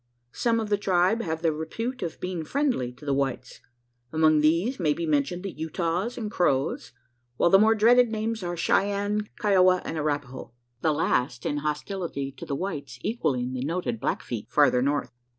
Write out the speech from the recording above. Some of the tribe have the repute of being friendly to the whites. Among these may be mentioned the Utahs and Crows; while the more dreaded names are Cheyenne, Kiowa, and Arapaho; the last in hostility to the whites equalling the noted Blackfeet farther north.